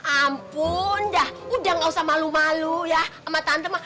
ampun dah udah gak usah malu malu ya sama tante